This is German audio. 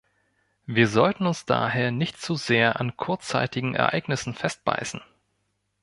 Wir sollten uns daher nicht zu sehr an kurzzeitigen Ereignissen festbeißen.